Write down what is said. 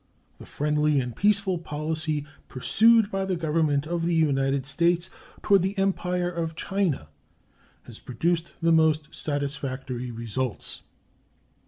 The friendly and peaceful policy pursued by the Government of the United States toward the Empire of China has produced the most satisfactory results.